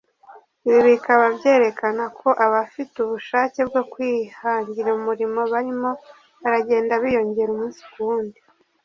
ibi bikaba byerekana ko abafite ubushake bwo kwihangira umurimo barimo baragenda biyongera umunsi ku wundi